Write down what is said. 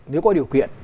nếu có điều quyện